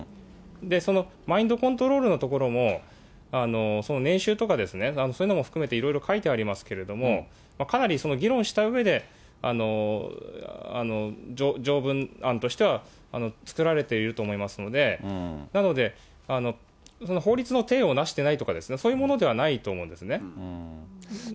そのマインドコントロールのところも、年収とかそういうのも含めて、いろいろ書いてありますけれども、かなり議論したうえで、条文案としては作られていると思いますので、なので、法律の体をなしていないとか、そういうものではないと思うんですね。